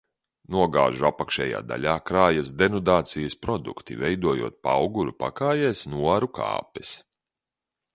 Nogāžu apakšējā daļā krājas denudācijas produkti, veidojot pauguru pakājēs noaru kāpes.